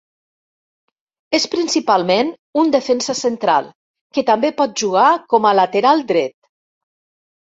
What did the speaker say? És principalment un defensa central, que també pot jugar com a lateral dret.